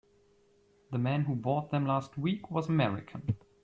The man who bought them last week was American.